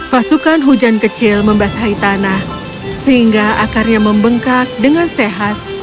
pasukan hujan kecil membasahi tanah sehingga akarnya membengkak dengan sehat